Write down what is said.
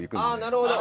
なるほど。